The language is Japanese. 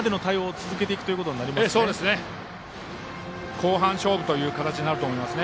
後半勝負という形になると思いますね。